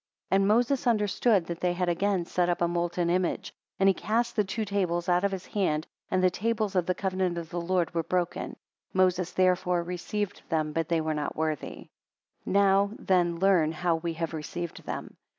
15 And Moses understood that they had again set up a molten image: and he cast the two tables out of his hands; and the tables of the covenant of the Lord were broken. Moses therefore received them, but they were not worthy. 16 Now then learn how we have received them.